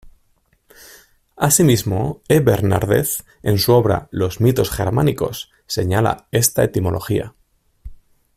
Asimismo, E. Bernárdez en su obra "Los Mitos Germánicos" señala esta etimología.